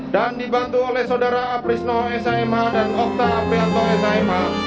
dan dibantu oleh saudara aprisno s a m h dan okta aprianto s a m h